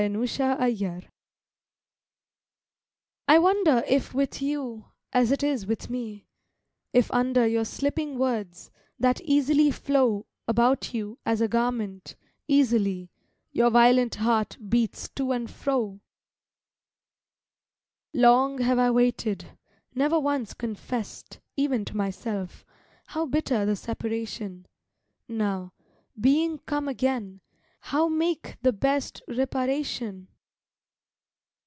AFTER MANY DAYS I WONDER if with you, as it is with me, If under your slipping words, that easily flow About you as a garment, easily, Your violent heart beats to and fro! Long have I waited, never once confessed, Even to myself, how bitter the separation; Now, being come again, how make the best Reparation?